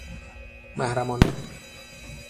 محرمانه